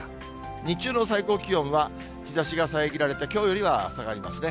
日中の最高気温は、日ざしが遮られて、きょうよりは下がりますね。